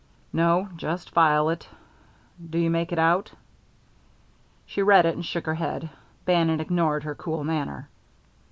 "No, just file it. Do you make it out?" She read it and shook her head. Bannon ignored her cool manner.